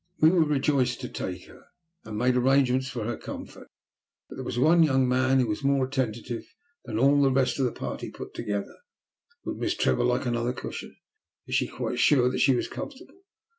We were rejoiced to take her, and made arrangements for her comfort, but there was one young man who was more attentive than all the rest of the party put together. Would Miss Trevor like another cushion? Was she quite sure that she was comfortable?